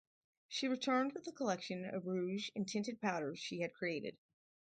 She returned with a collection of rouges and tinted powders she had created.